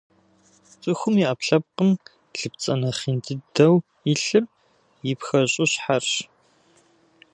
Цӏыхум и ӏэпкълъэпкъым лыпцӏэ нэхъ ин дыдэу илъыр и пхэщӏыщхьэрщ.